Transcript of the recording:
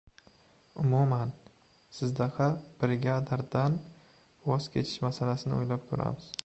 Umuman... sizdaqa brigadirdan voz kechish masalasini o‘ylab ko‘ramiz.